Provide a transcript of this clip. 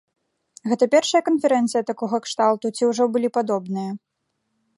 Гэта першая канферэнцыя такога кшталту, ці ўжо былі падобныя?